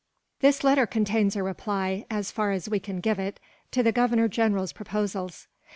"This letter contains a reply, as far as we can give it, to the Governor General's proposals."